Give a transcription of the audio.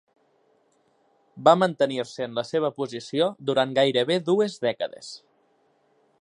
Va mantenir-se en la seva posició durant gairebé dues dècades.